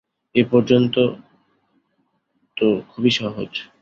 এ পর্যন্ত তো খুবই সহজ।